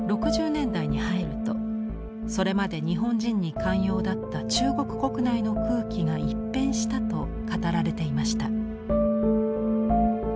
６０年代に入るとそれまで日本人に寛容だった中国国内の空気が一変したと語られていました。